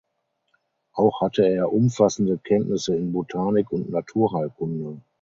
Auch hatte er umfassende Kenntnisse in Botanik und Naturheilkunde.